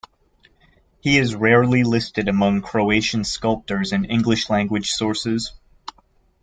He is rarely listed among Croatian sculptors in English-language sources.